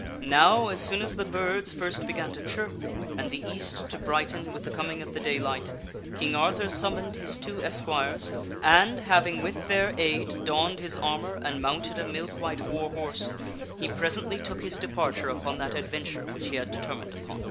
Now, as soon as the birds first began to chirp and the east to brighten with the coming of the daylight, King Arthur summoned his two esquires, and, having with their aid donned his armor and mounted a milk white war horse, he presently took his departure upon that adventure which he had determined upon.